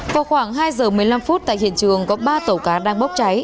vào khoảng hai giờ một mươi năm phút tại hiện trường có ba tàu cá đang bốc cháy